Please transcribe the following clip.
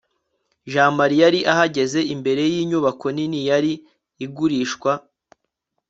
jamali yari ahagaze imbere yinyubako nini yari igurishwa